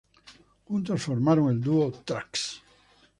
Juntos formaron el dúo "Trax".